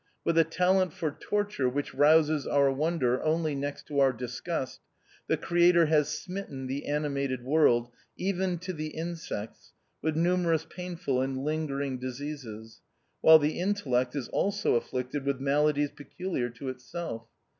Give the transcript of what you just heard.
With a talent for torture which rouses our wonder only next to our disgust, the Creator has smitten the animated world, even to the insects, with numerous painful and linger ing diseases, while the intellect is also afflicted with maladies peculiar to itself.